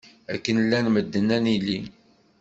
Akken llan medden ad nili.